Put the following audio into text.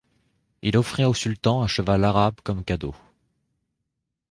Il offrit au sultan un cheval arabe comme cadeau.